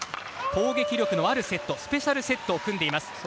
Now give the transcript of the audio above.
攻撃力のあるセットスペシャルセットを組んでいます。